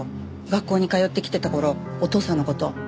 学校に通ってきてた頃お父さんの事。